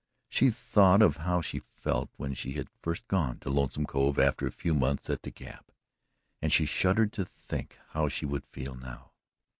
She thought of how she felt when she had first gone to Lonesome Cove after a few months at the Gap, and she shuddered to think how she would feel now.